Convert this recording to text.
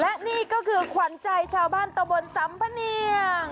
และนี่ก็คือขวัญใจชาวบ้านตะบนสัมพะเนียง